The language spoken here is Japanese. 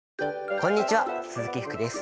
こんにちは鈴木福です。